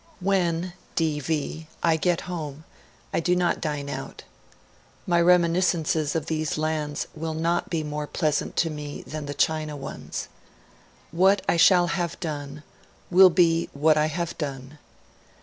'When, D.V., I get home, I do not dine out. My reminiscences of these lands will not be more pleasant to me than the China ones. What I shall have done, will be what I have done.